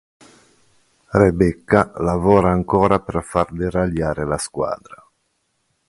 Rebecca lavora ancora per far deragliare la squadra.